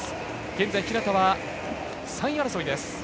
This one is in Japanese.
現在日向は３位争いです。